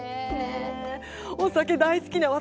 お酒大好きな私！